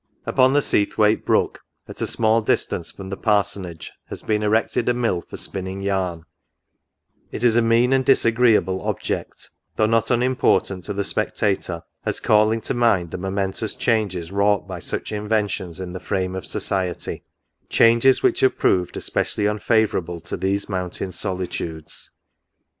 Upon the Seathwaite Brook, at a small distance from the Parsonage, has been erected a mill for spinning yarn ; it is a mean and disagreeable object, though not unimportant to the spectator, as calling to mind the momentous changes wrought by such inventions in the frame of society — changes which have proved especially unfavourable to these moun^ tain solitudes.